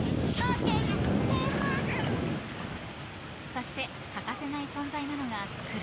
［そして欠かせない存在なのが］